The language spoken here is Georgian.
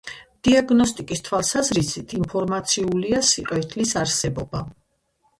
დიაგნოსტიკის თვალსაზრისით ინფორმაციულია სიყვითლის არსებობა.